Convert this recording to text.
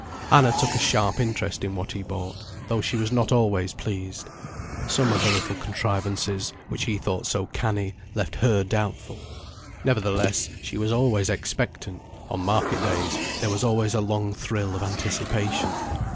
Anna took a sharp interest in what he bought, though she was not always pleased. Some of the little contrivances, which he thought so canny, left her doubtful. Nevertheless she was always expectant, on market days there was always a long thrill of anticipation.